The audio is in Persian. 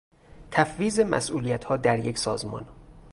تفویض مسئولیتها در یک سازمان